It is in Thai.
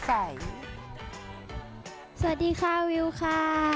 สวัสดีค่ะวิวค่ะ